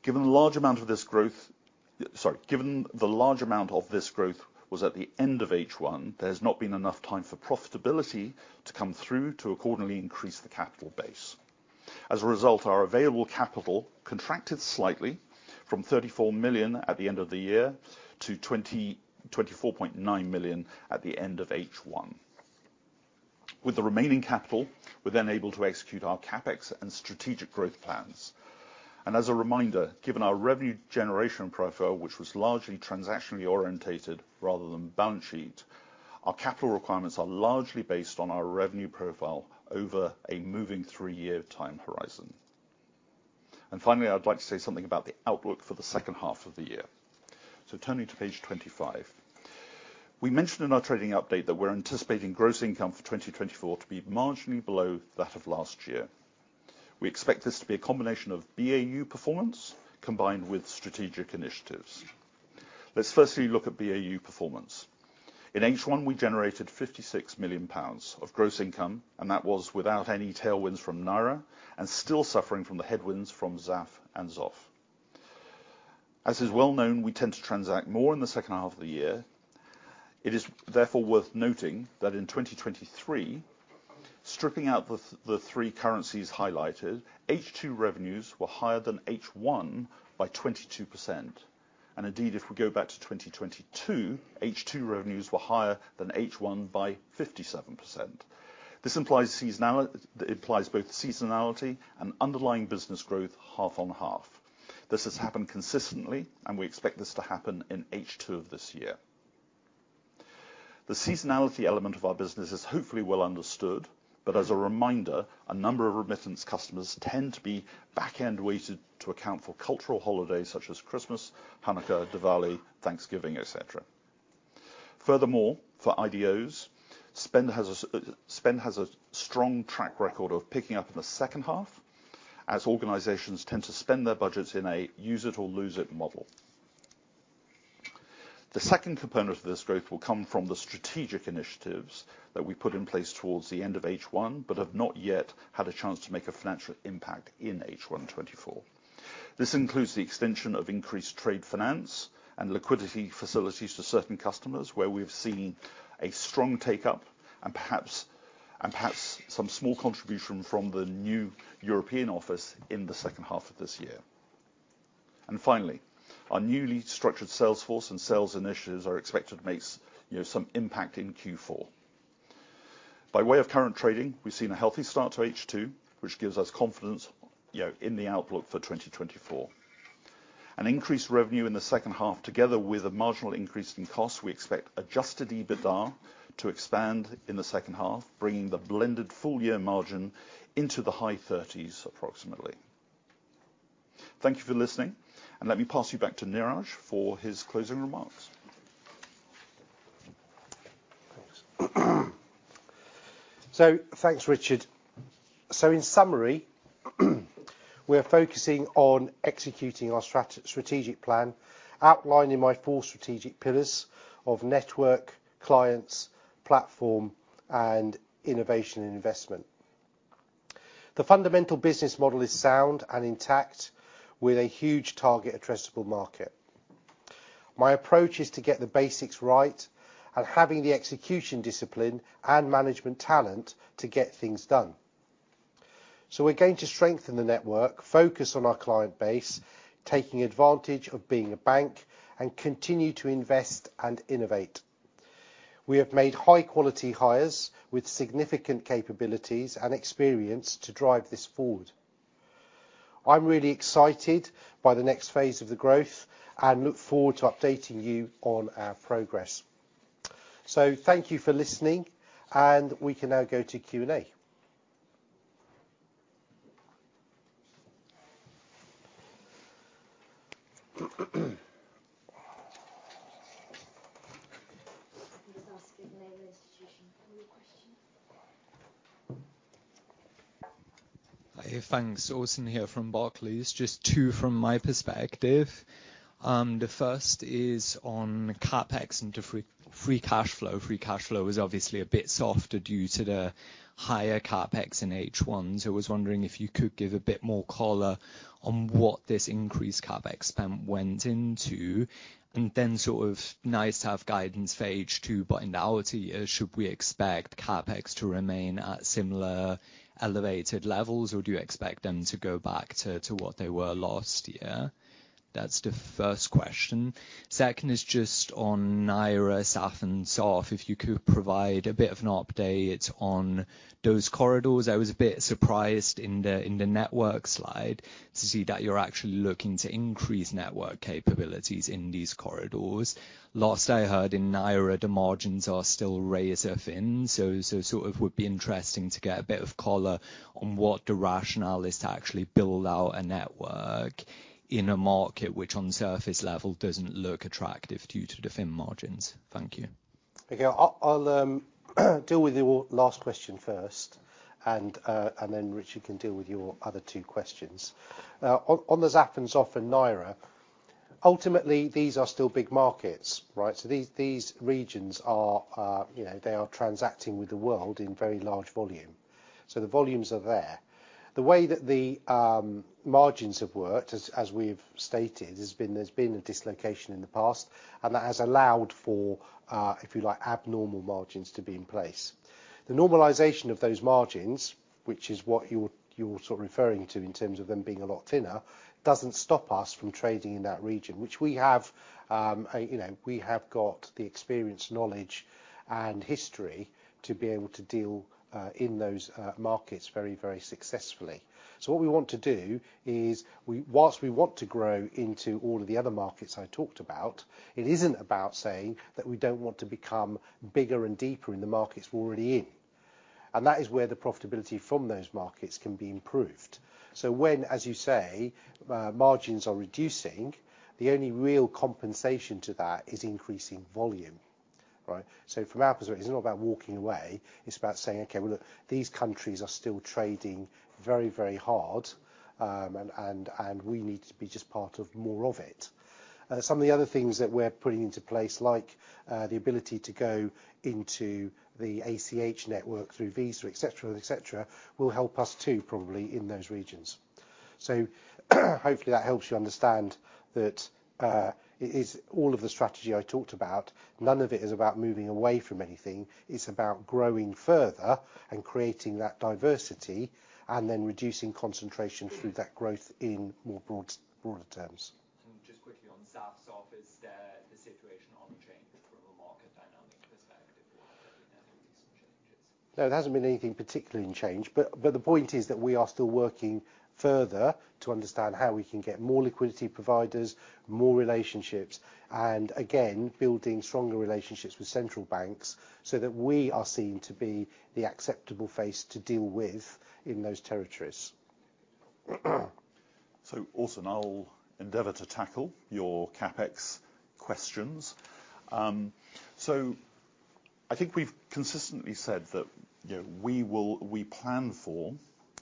Given the large amount of this growth... Sorry, given the large amount of this growth was at the end of H1, there's not been enough time for profitability to come through to accordingly increase the capital base. As a result, our available capital contracted slightly from 34 million at the end of the year to 24.9 million at the end of H1. With the remaining capital, we're then able to execute our CapEx and strategic growth plans. As a reminder, given our revenue generation profile, which was largely transactionally oriented rather than balance sheet, our capital requirements are largely based on our revenue profile over a moving three-year time horizon. Finally, I'd like to say something about the outlook for the second half of the year. Turning to page 25. We mentioned in our trading update that we're anticipating gross income for 2024 to be marginally below that of last year. We expect this to be a combination of BAU performance combined with strategic initiatives. Let's firstly look at BAU performance. In H1, we generated 56 million pounds of gross income, and that was without any tailwinds from Naira and still suffering from the headwinds from XAF and XOF. As is well known, we tend to transact more in the second half of the year. It is therefore worth noting that in 2023, stripping out the three currencies highlighted, H2 revenues were higher than H1 by 22%. And indeed, if we go back to 2022, H2 revenues were higher than H1 by 57%. This implies both seasonality and underlying business growth half on half. This has happened consistently, and we expect this to happen in H2 of this year. The seasonality element of our business is hopefully well understood, but as a reminder, a number of remittance customers tend to be back-end weighted to account for cultural holidays such as Christmas, Hanukkah, Diwali, Thanksgiving, et cetera. Furthermore, for IDOs, spend has a strong track record of picking up in the second half, as organizations tend to spend their budgets in a use-it-or-lose-it model. The second component of this growth will come from the strategic initiatives that we put in place towards the end of H1, but have not yet had a chance to make a financial impact in H1 2024. This includes the extension of increased trade finance and liquidity facilities to certain customers, where we've seen a strong take-up and perhaps some small contribution from the new European office in the second half of this year. And finally, our newly structured sales force and sales initiatives are expected to make you know, some impact in Q4. By way of current trading, we've seen a healthy start to H2, which gives us confidence, you know, in the outlook for 2024. An increased revenue in the second half, together with a marginal increase in costs, we expect Adjusted EBITDA to expand in the second half, bringing the blended full year margin into the high 30s, approximately. Thank you for listening, and let me pass you back to Neeraj for his closing remarks. Thanks. So thanks, Richard. So in summary, we are focusing on executing our strategic plan, outlining my four strategic pillars of network, clients, platform, and innovation and investment. The fundamental business model is sound and intact, with a huge target addressable market. My approach is to get the basics right and having the execution discipline and management talent to get things done. So we're going to strengthen the network, focus on our client base, taking advantage of being a bank, and continue to invest and innovate. We have made high quality hires with significant capabilities and experience to drive this forward. I'm really excited by the next phase of the growth, and look forward to updating you on our progress. So thank you for listening, and we can now go to Q&A. Just ask your name and institution for your question. Hi. Thanks. Orson here from Barclays. Just two from my perspective. The first is on CapEx into free cash flow. Free cash flow is obviously a bit softer due to the higher CapEx in H1, so I was wondering if you could give a bit more color on what this increased CapEx spend went into, and then sort of nice to have guidance for H2, but in our FY year, should we expect CapEx to remain at similar elevated levels, or do you expect them to go back to what they were last year? That's the first question. Second is just on Naira, XAF and XOF. If you could provide a bit of an update on those corridors? I was a bit surprised in the network slide to see that you're actually looking to increase network capabilities in these corridors. Last I heard in Naira, the margins are still razor thin, so, so sort of would be interesting to get a bit of color on what the rationale is to actually build out a network in a market which on the surface level doesn't look attractive due to the thin margins. Thank you. Okay. I'll deal with your last question first, and then Richard can deal with your other two questions. On the XAF and XOF and so forth and Naira, ultimately, these are still big markets, right? So these regions are, you know, they are transacting with the world in very large volume. So the volumes are there. The way that the margins have worked, as we've stated, has been. There's been a dislocation in the past, and that has allowed for, if you like, abnormal margins to be in place. The normalization of those margins, which is what you're sort of referring to in terms of them being a lot thinner, doesn't stop us from trading in that region, which we have a... You know, we have got the experience, knowledge and history to be able to deal in those markets very, very successfully. So what we want to do is whilst we want to grow into all of the other markets I talked about, it isn't about saying that we don't want to become bigger and deeper in the markets we're already in. And that is where the profitability from those markets can be improved. So when, as you say, margins are reducing, the only real compensation to that is increasing volume, right? So from our perspective, it's not about walking away. It's about saying: "Okay, well, look, these countries are still trading very, very hard, and we need to be just part of more of it." Some of the other things that we're putting into place, like, the ability to go into the ACH network through Visa, et cetera, et cetera, will help us too, probably in those regions, so hopefully, that helps you understand that, it is. All of the strategy I talked about, none of it is about moving away from anything. It's about growing further and creating that diversity, and then reducing concentration through that growth in more broad, broader terms. Just quickly on XAF, XOF is the situation unchanged from a market dynamic perspective? Or have there been any recent changes? No, there hasn't been anything particularly unchange. But, the point is that we are still working further to understand how we can get more liquidity providers, more relationships, and again, building stronger relationships with central banks, so that we are seen to be the acceptable face to deal with in those territories. Orson, I'll endeavor to tackle your CapEx questions. So I think we've consistently said that, you know, we plan for,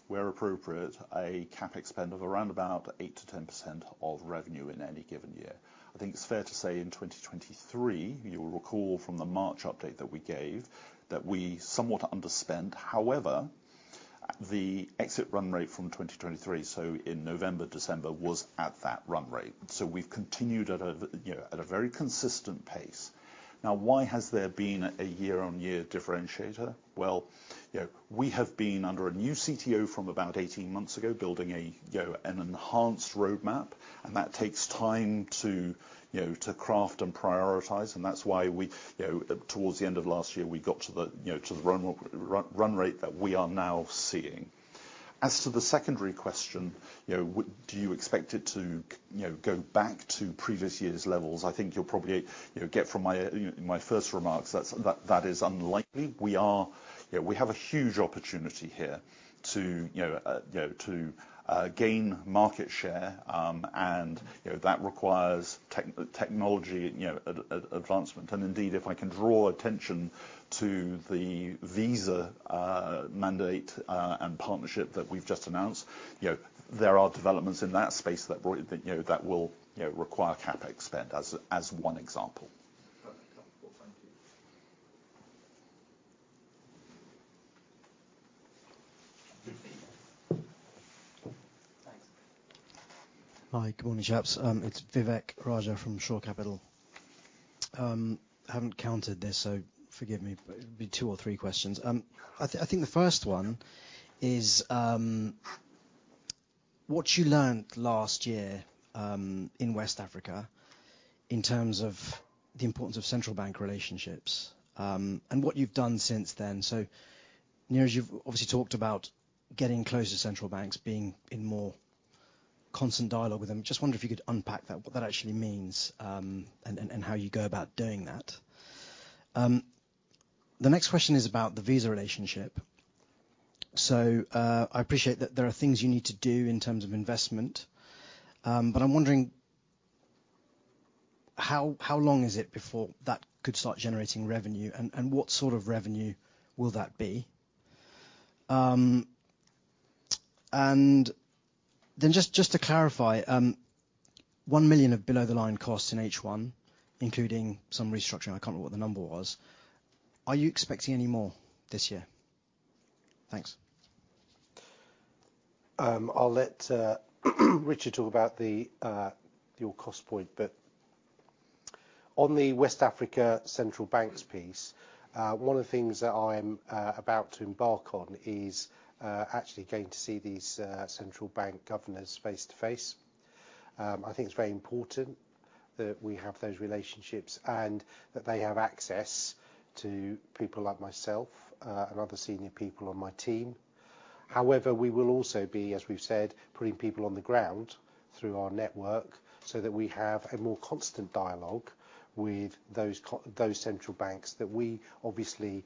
where appropriate, a CapEx spend of around about 8%-10% of revenue in any given year. I think it's fair to say, in 2023, you'll recall from the March update that we gave, that we somewhat underspent. However, the exit run rate from 2023, so in November, December, was at that run rate. We've continued at a, you know, at a very consistent pace. Now, why has there been a year-on-year differentiator? You know, we have been under a new CTO from about 18 months ago, building an enhanced roadmap, and that takes time. you know, to craft and prioritize, and that's why we, you know, towards the end of last year, we got to the run rate that we are now seeing. As to the secondary question, you know, do you expect it to, you know, go back to previous years' levels? I think you'll probably, you know, get from my first remarks that that is unlikely. We are, you know, we have a huge opportunity here to, you know, you know, to gain market share, and, you know, that requires technology, you know, a advancement. And indeed, if I can draw attention to the Visa mandate and partnership that we've just announced, you know, there are developments in that space that brought, you know, that will, you know, require CapEx spend as one example. Perfect. Well, thank you. Thanks. Hi, good morning, chaps. It's Vivek Raja from Shore Capital. Haven't counted this, so forgive me, be two or three questions. I think the first one is what you learned last year in West Africa, in terms of the importance of central bank relationships, and what you've done since then. Neeraj, you've obviously talked about getting closer to central banks, being in more constant dialogue with them. Just wonder if you could unpack that, what that actually means, and how you go about doing that. The next question is about the Visa relationship. I appreciate that there are things you need to do in terms of investment, but I'm wondering how long is it before that could start generating revenue? What sort of revenue will that be? And then just to clarify, 1 million of below-the-line costs in H1, including some restructuring. I can't remember what the number was. Are you expecting any more this year? Thanks. I'll let Richard talk about your cost point, but on the West Africa central banks piece, one of the things that I'm about to embark on is actually going to see these central bank governors face-to-face. I think it's very important that we have those relationships, and that they have access to people like myself and other senior people on my team. However, we will also be, as we've said, putting people on the ground through our network, so that we have a more constant dialogue with those central banks that we obviously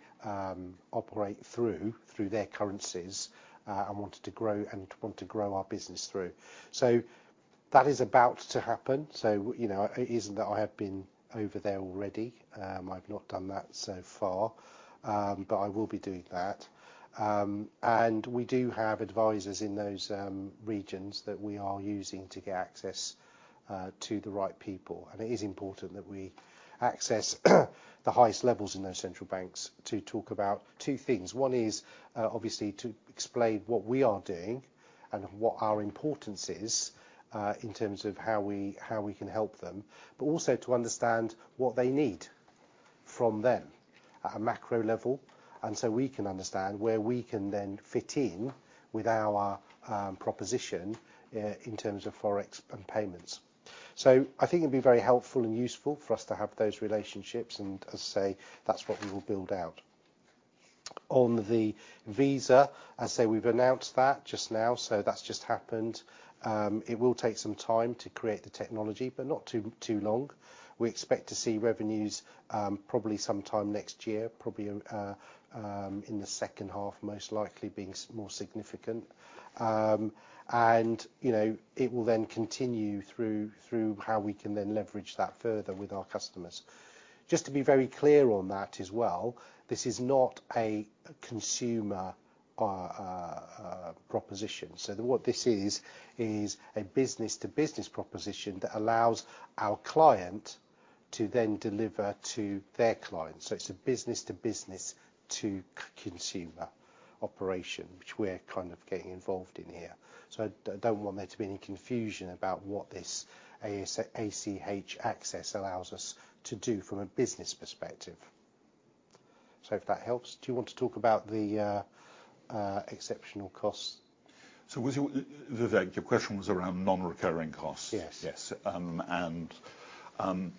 operate through their currencies, and wanted to grow, and want to grow our business through. So that is about to happen, so you know, it isn't that I have been over there already. I've not done that so far, but I will be doing that, and we do have advisors in those regions that we are using to get access to the right people, and it is important that we access the highest levels in those central banks to talk about two things. One is, obviously, to explain what we are doing and what our importance is, in terms of how we can help them, but also to understand what they need from them at a macro level, and so we can understand where we can then fit in with our proposition, in terms of forex and payments, so I think it'll be very helpful and useful for us to have those relationships, and as I say, that's what we will build out. On the Visa, I say we've announced that just now, so that's just happened. It will take some time to create the technology, but not too long. We expect to see revenues probably sometime next year, probably in the second half, most likely being more significant. And, you know, it will then continue through how we can then leverage that further with our customers. Just to be very clear on that as well, this is not a consumer proposition. So what this is, is a business-to-business proposition that allows our client to then deliver to their clients. So it's a business to business to consumer operation, which we're kind of getting involved in here. So I don't want there to be any confusion about what this ACH access allows us to do from a business perspective. So if that helps, do you want to talk about the exceptional costs? Was it... Vivek, your question was around non-recurring costs? Yes. Yes, and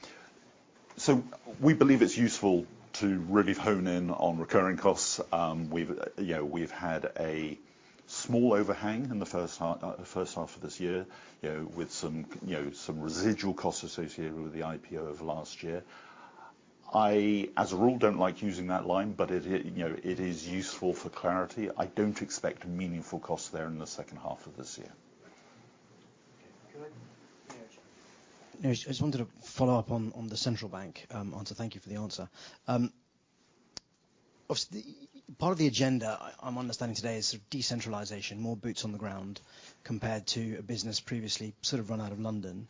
so we believe it's useful to really hone in on recurring costs. You know, we've had a small overhang in the first half of this year, you know, with some residual costs associated with the IPO over last year. I as a rule don't like using that line, but it you know is useful for clarity. I don't expect a meaningful cost there in the second half of this year. Okay, good. Neeraj. Neeraj, I just wanted to follow up on, on the central bank, answer. Thank you for the answer. Obviously, part of the agenda, I'm understanding today, is sort of decentralization, more boots on the ground compared to a business previously sort of run out of London.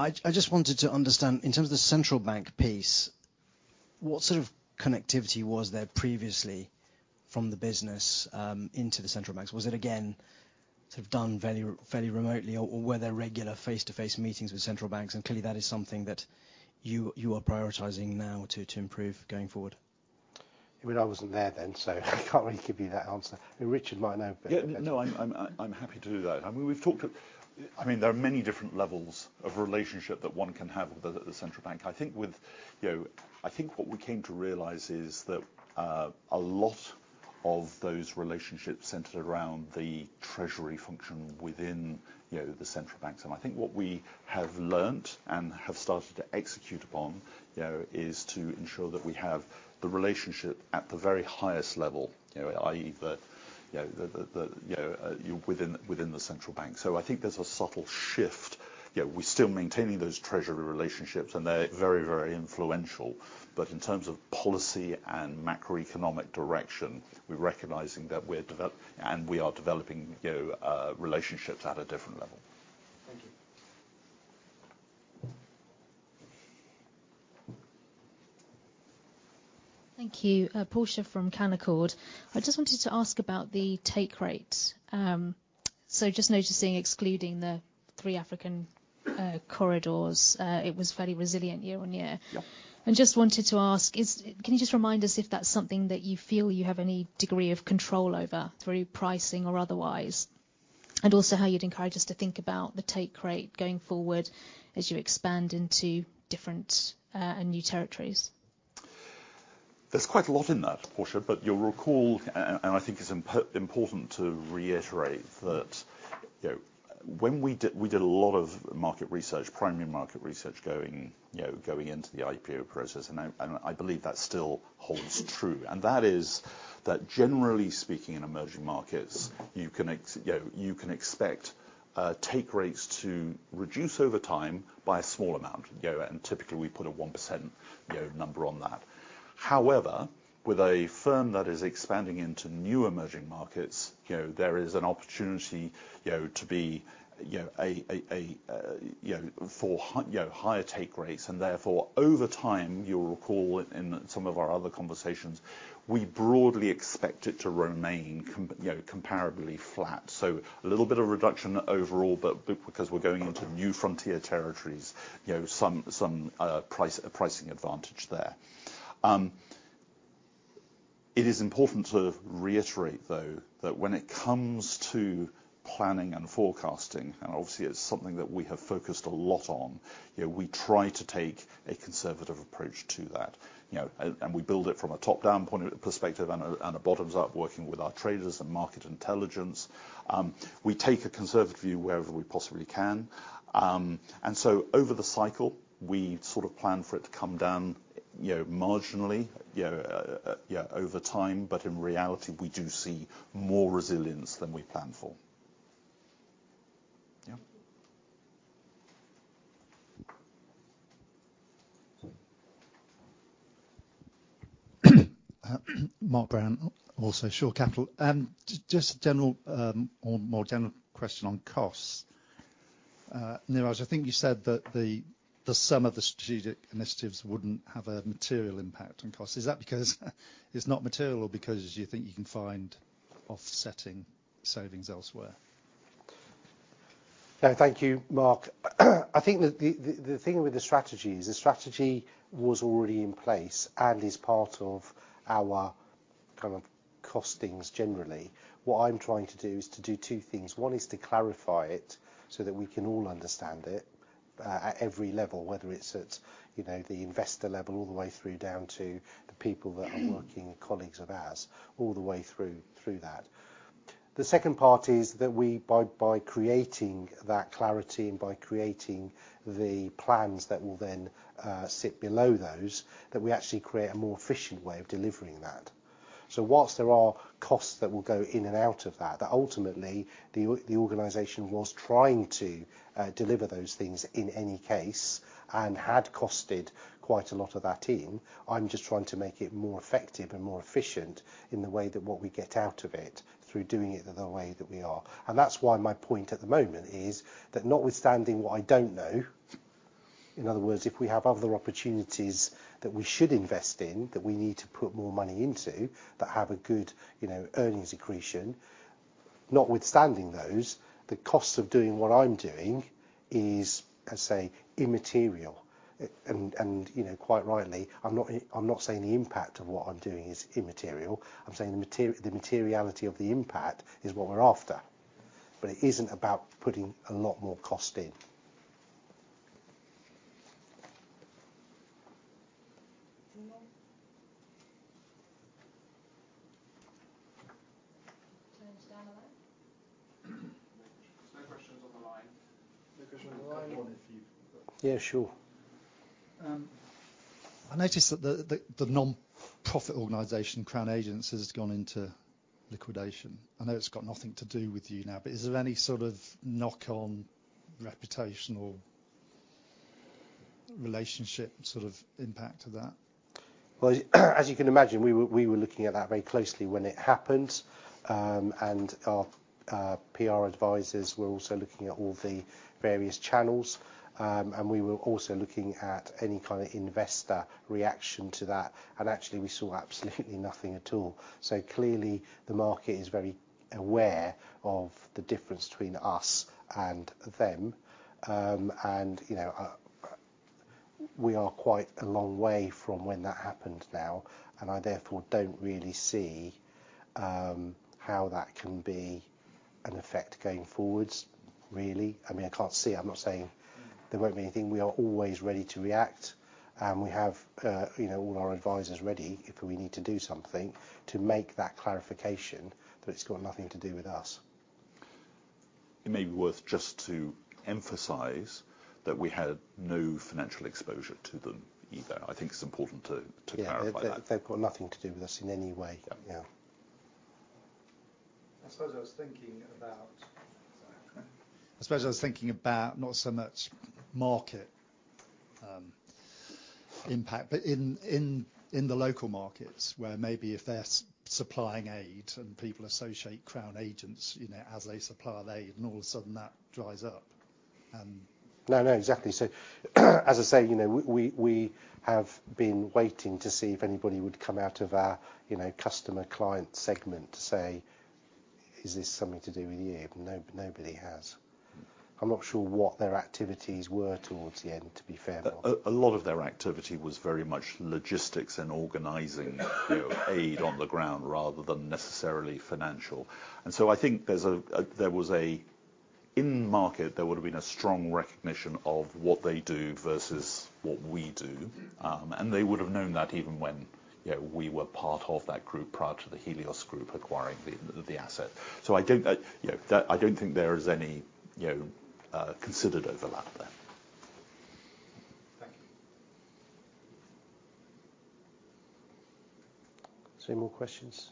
I just wanted to understand, in terms of the central bank piece, what sort of connectivity was there previously from the business, into the central banks? Was it again, sort of done very, fairly remotely, or, or were there regular face-to-face meetings with central banks, and clearly that is something that you, you are prioritizing now to, to improve going forward?... Well, I wasn't there then, so I can't really give you that answer. Richard might know, but- Yeah, no, I'm happy to do that. I mean, we've talked about. I mean, there are many different levels of relationship that one can have with the central bank. I think, you know, what we came to realize is that a lot of those relationships centered around the treasury function within, you know, the central banks. I think what we have learned and have started to execute upon, you know, is to ensure that we have the relationship at the very highest level, you know, i.e., the, you know, within the central bank. I think there's a subtle shift, you know, we're still maintaining those treasury relationships, and they're very, very influential. But in terms of policy and macroeconomic direction, we're recognizing that we are developing, you know, relationships at a different level. Thank you. Thank you. Portia from Canaccord. I just wanted to ask about the take rate, so just noticing, excluding the three African corridors, it was fairly resilient year-on-year. Yeah. I just wanted to ask, Can you just remind us if that's something that you feel you have any degree of control over, through pricing or otherwise? And also, how you'd encourage us to think about the take rate going forward as you expand into different, and new territories. There's quite a lot in that, Portia, but you'll recall, and I think it's important to reiterate that, you know, when we did, we did a lot of market research, primary market research going, you know, going into the IPO process, and I, and I believe that still holds true. And that is, that generally speaking, in emerging markets, you know, you can expect take rates to reduce over time by a small amount, you know, and typically, we put a 1% number on that. However, with a firm that is expanding into new emerging markets, you know, there is an opportunity, you know, to be, you know, for high, you know, higher take rates. And therefore, over time, you'll recall in some of our other conversations, we broadly expect it to remain, you know, comparably flat. So a little bit of reduction overall, but because we're going into new frontier territories, you know, some pricing advantage there. It is important to reiterate, though, that when it comes to planning and forecasting, and obviously, it's something that we have focused a lot on, you know, we try to take a conservative approach to that. You know, and we build it from a top-down point of view, perspective, and a bottoms-up, working with our traders and market intelligence. We take a conservative view wherever we possibly can. And so over the cycle, we sort of plan for it to come down, you know, marginally, you know, yeah, over time, but in reality, we do see more resilience than we planned for. Mark Brown, also Shore Capital. Just a general, or more general question on costs. Neeraj, I think you said that the sum of the strategic initiatives wouldn't have a material impact on cost. Is that because it's not material, or because you think you can find offsetting savings elsewhere? Yeah, thank you, Mark. I think the thing with the strategy is, the strategy was already in place and is part of our kind of costings generally. What I'm trying to do is to do two things. One is to clarify it, so that we can all understand it at every level, whether it's at, you know, the investor level, all the way through down to the people that are working, colleagues of ours, all the way through that. The second part is that we, by creating that clarity and by creating the plans that will then sit below those, that we actually create a more efficient way of delivering that. So whilst there are costs that will go in and out of that, that ultimately the organization was trying to deliver those things in any case, and had costed quite a lot of that in. I'm just trying to make it more effective and more efficient in the way that what we get out of it, through doing it the way that we are. And that's why my point at the moment is, that notwithstanding what I don't know, in other words, if we have other opportunities that we should invest in, that we need to put more money into, that have a good, you know, earnings accretion, notwithstanding those, the costs of doing what I'm doing is, I say, immaterial. You know, quite rightly, I'm not saying the impact of what I'm doing is immaterial. I'm saying the materiality of the impact is what we're after. But it isn't about putting a lot more cost in. Anyone? Turn it down the line. There's no questions on the line. No question on the line.... If you- Yeah, sure. I noticed that the nonprofit organization, Crown Agents, has gone into liquidation. I know it's got nothing to do with you now, but is there any sort of knock-on reputational relationship sort of impact to that? As you can imagine, we were looking at that very closely when it happened, and our PR advisors were also looking at all the various channels, and we were also looking at any kind of investor reaction to that, and actually, we saw absolutely nothing at all, so clearly, the market is very aware of the difference between us and them, and you know, we are quite a long way from when that happened now, and I therefore don't really see how that can be an effect going forward, really. I mean, I can't see. I'm not saying there won't be anything. We are always ready to react, and we have, you know, all our advisors ready if we need to do something to make that clarification, but it's got nothing to do with us. It may be worth just to emphasize that we had no financial exposure to them either. I think it's important to clarify that. Yeah, they've got nothing to do with us in any way. Yeah. Yeah. I suppose I was thinking about not so much market impact, but in the local markets, where maybe if they're supplying aid and people associate Crown Agents, you know, as they supply aid, and all of a sudden, that dries up, and- No, no, exactly. So, as I say, you know, we have been waiting to see if anybody would come out of our, you know, customer client segment to say, "Is this something to do with you?" Nope, nobody has. I'm not sure what their activities were towards the end, to be fair. A lot of their activity was very much logistics and organizing, you know, aid on the ground rather than necessarily financial. And so I think there was a... In market, there would have been a strong recognition of what they do versus what we do. Mm-hmm. And they would have known that even when, you know, we were part of that group prior to the Helios Group acquiring the asset. So I don't think there is any, you know, considered overlap there. Thank you. So any more questions?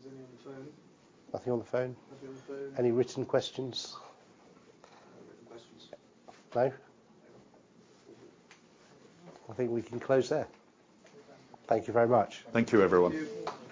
Is anyone on the phone? Nothing on the phone? Nothing on the phone. Any written questions? No written questions. No? I think we can close there. Thank you very much. Thank you, everyone. Thank you.